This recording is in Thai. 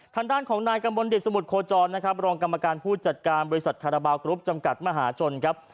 ทางด้านของนายกระมวลเดชสมุทรโคจรนะครับรองกรรมการผู้จัดการบริษัทคาราบาลกรุ๊ปจำกัดมหาชนครับ